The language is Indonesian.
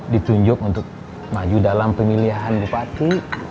ditunjuk untuk maju dalam pemilihan bupati